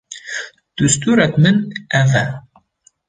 distûrek min ev e.